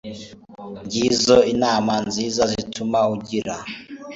ngizo inama nziza zizatuma ugira